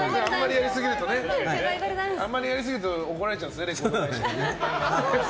あんまりやりすぎると怒られちゃうんですね。